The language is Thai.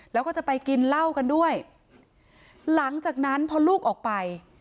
แล้วก็จะไปกินเหล้ากันด้วยหลังจากนั้นพอลูกออกไป